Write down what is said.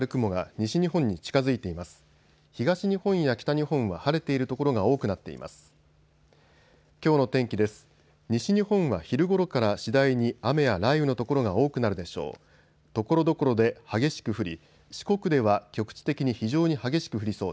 西日本は昼ごろから次第に雨や雷雨の所が多くなるでしょう。